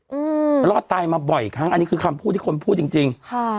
อืมรอดตายมาบ่อยครั้งอันนี้คือคำพูดที่คนพูดจริงจริงค่ะ